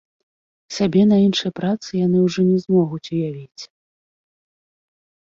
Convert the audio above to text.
Сябе на іншай працы яны ўжо не змогуць уявіць.